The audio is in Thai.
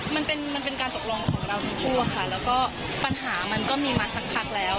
มันเป็นมันเป็นการตกลงของเราทั้งคู่อะค่ะแล้วก็ปัญหามันก็มีมาสักพักแล้ว